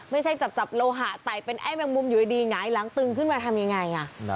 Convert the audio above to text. ไม่ใช่จับโลหะไต่เป็นไอ้แมงมุมอยู่ดีหงายหลังตึงขึ้นมาทำยังไง